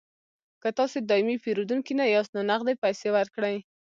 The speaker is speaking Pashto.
که تاسې دایمي پیرودونکي نه یاست نو نغدې پیسې ورکړئ